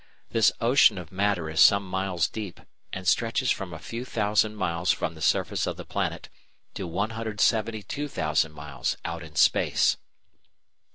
This ocean of matter is some miles deep, and stretches from a few thousand miles from the surface of the planet to 172,000 miles out in space.